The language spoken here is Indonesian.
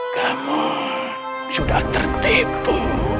kamu sudah tertipu